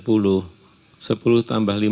kelas empat kelas empat lima tambah